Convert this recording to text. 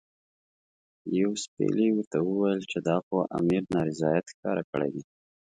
لیویس پیلي ورته وویل چې دا خو امیر نارضاییت ښکاره کړی دی.